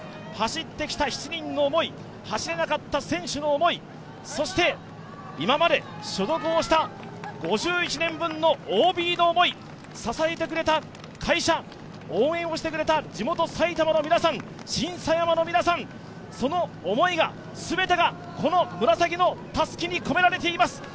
走ってきた７人の思い走れなかった選手の思いそして今まで所属をした５１年分のＯＢの思い支えてくれた会社、応援をしてくれた地元・埼玉の皆さん、新狭山の皆さん、その思いが全てがこの紫のたすきに込められています。